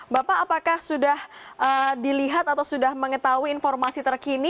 bapak apakah sudah dilihat atau sudah mengetahui informasi terkini